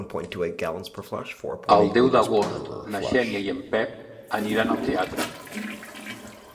El deu d'agost na Xènia i en Pep aniran al teatre.